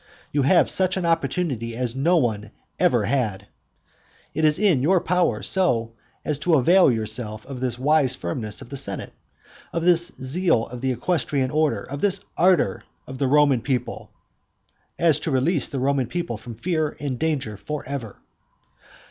You have such an opportunity as no one ever had. It is in your power so to avail yourself of this wise firmness of the senate, of this zeal of the equestrian order, of this ardour of the Roman people, as to release the Roman people from fear and danger for ever.